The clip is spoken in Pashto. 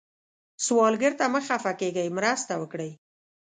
سوالګر ته مه خفه کېږئ، مرسته وکړئ